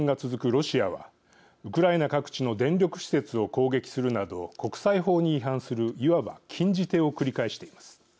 ロシアはウクライナ各地の電力施設を攻撃するなど国際法に違反する、いわば禁じ手を繰り返しています。